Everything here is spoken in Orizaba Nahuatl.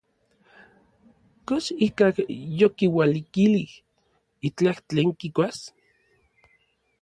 ¿Kox ikaj yokiualikilij itlaj tlen kikuas?